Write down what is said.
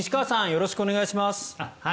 よろしくお願いします。